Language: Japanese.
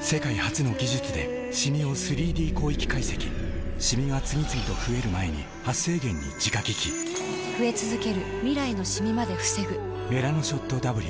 世界初の技術でシミを３Ｄ広域解析シミが次々と増える前に「メラノショットＷ」